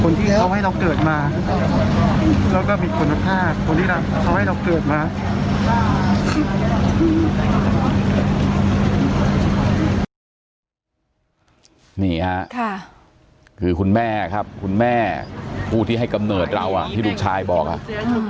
นี่ค่ะคือคุณแม่ครับคุณแม่ผู้ที่ให้กำเนิดเราอ่ะที่ลูกชายบอกอ่ะ